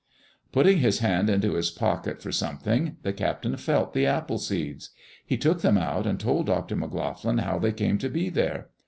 '* Putting his hand into his pocket for something, the captain felt the apple seeds. He took them out and told Dr. McLoughlin how they came to be there.